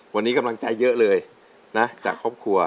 วันนี้กำลังใจเยอะเลยนะจากครอบครัว